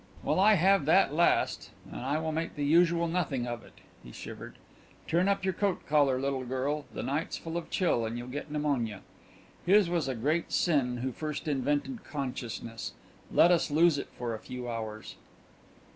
Well, I have that last and I will make the usual nothing of it." He shivered. "Turn up your coat collar, little girl, the night's full of chill and you'll get pneumonia. His was a great sin who first invented consciousness. Let us lose it for a few hours."